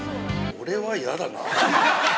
◆俺は嫌だな。